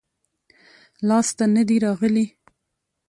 لاس ته نه دي راغلي-